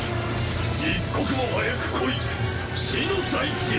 一刻も早く来い死の大地へ。